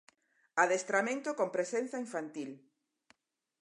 Adestramento con presenza infantil.